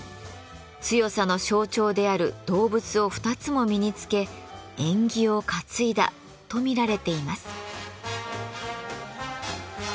強さの象徴である動物を２つも身につけ縁起を担いだと見られています。